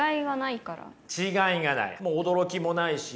違いがない。